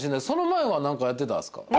その前は何かやってたんすか？